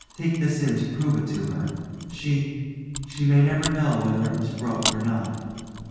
Take this in to prove it to her. She she may never know whether it was broke or not.